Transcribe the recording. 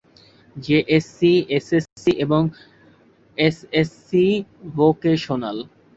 JSC, SSC ও SSC vocational.